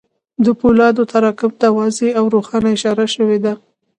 د پولادو تراکم ته واضح او روښانه اشاره شوې وه